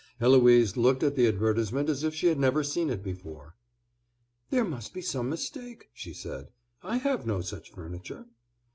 Eloise looked at the advertisement as if she had never seen it before. "There must be some mistake," she said. "I have no such furniture."